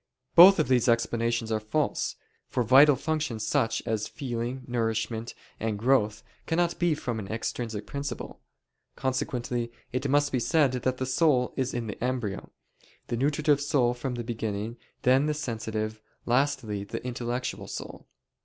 Both of these explanations are false; for vital functions such as feeling, nourishment, and growth cannot be from an extrinsic principle. Consequently it must be said that the soul is in the embryo; the nutritive soul from the beginning, then the sensitive, lastly the intellectual soul.